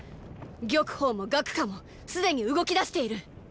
玉鳳も楽華もすでに動きだしている！